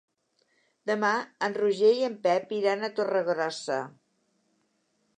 Demà en Roger i en Pep iran a Torregrossa.